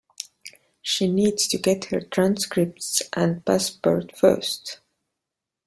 She needs to get her transcripts and passport first.